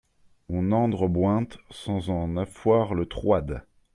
On n’andre bointe sans en affoir le troide.